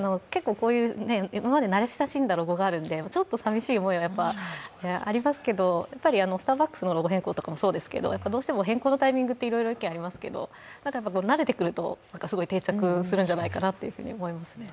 今まで慣れ親しんだロゴがあるのでちょっと寂しい思いはありますけど、スターバックスのロゴ変更もそうですけどどうしても変更のタイミングっていろいろ意見ありますけど慣れてくるとすごい定着するんじゃないかなと思いますね。